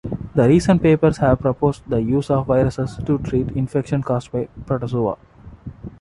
Recent papers have proposed the use of viruses to treat infections caused by protozoa.